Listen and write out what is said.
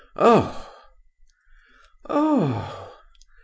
Oh!" "Oh!"